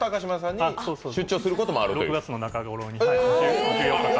６月の中頃に。